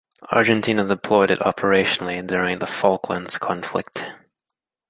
Argentina deployed it operationally during the Falklands conflict.